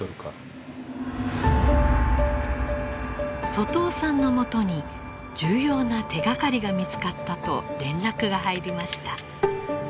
外尾さんのもとに重要な手がかりが見つかったと連絡が入りました。